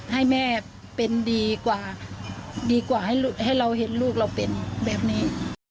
ให้แม่เป็นดีกว่าดีกว่าให้เราเห็นลูกเราเป็นแบบนี้